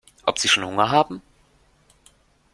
Ob sie schon Hunger haben?